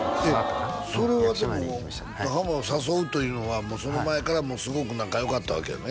えっそれはでもハマを誘うというのはその前からすごく仲良かったわけやね？